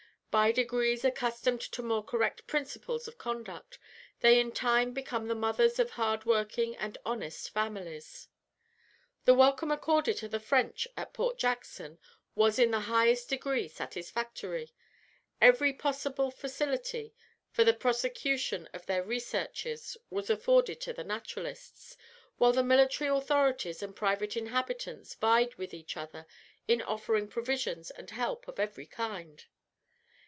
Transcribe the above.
By degrees accustomed to more correct principles of conduct, they in time become the mothers of hard working and honest families." The welcome accorded to the French at Port Jackson was in the highest degree satisfactory. Every possible facility for the prosecution of their researches was afforded to the naturalists, whilst the military authorities and private inhabitants vied with each other in offering provisions and help of every kind.